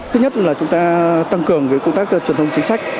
thứ nhất là chúng ta tăng cường công tác truyền thông chính sách